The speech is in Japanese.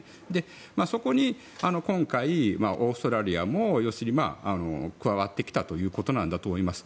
そこに今回、オーストラリアも要するに加わってきたということなんだと思います。